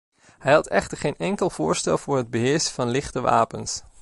Hij had echter geen enkel voorstel voor het beheersen van lichte wapens.